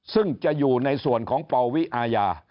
ซึ่งจะอยู่ในส่วนของปวิอาญา